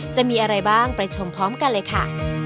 จะมีอะไรบ้างไปชมพร้อมกันเลยค่ะ